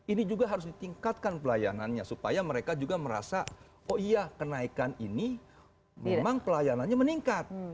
ini juga harus ditingkatkan pelayanannya supaya mereka juga merasa oh iya kenaikan ini memang pelayanannya meningkat